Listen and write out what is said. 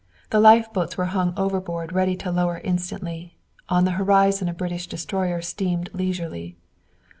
The lifeboats were hung overboard, ready to lower instantly. On the horizon a British destroyer steamed leisurely.